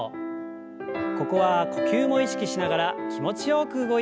ここは呼吸も意識しながら気持ちよく動いてください。